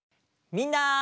みんな！